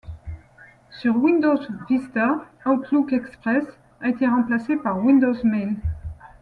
Sur Windows Vista, Outlook Express a été remplacé par Windows Mail.